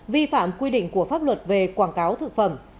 vi phạm quy định của pháp luật về quảng cáo thực phẩm